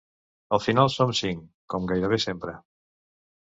Al final som cinc, com gairebé sempre.